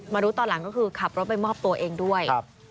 รู้ตอนหลังก็คือขับรถไปมอบตัวเองด้วย